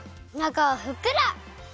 なかはふっくら！